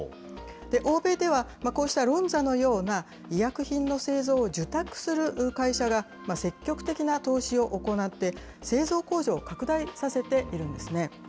欧米ではこうしたロンザのような、医薬品の製造を受託する会社が積極的な投資を行って、製造工場を拡大させているんですね。